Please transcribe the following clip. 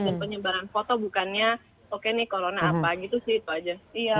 dan penyebaran foto bukannya oke nih corona apa gitu sih itu aja